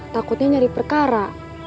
takutnya nyari perkara